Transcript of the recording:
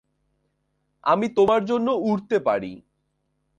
আমি তোমার জন্য উড়তে পারি।